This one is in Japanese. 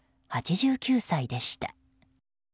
８９歳でした。